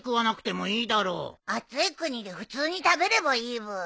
暑い国で普通に食べればいいブー。